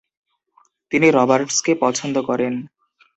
তিনি রবার্টসকে পছন্দ করেন।